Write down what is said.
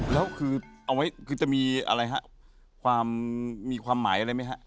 แล้วคือเอาไว้คือจะมีอะไรครับมีความหมายอะไรมั้ยครับ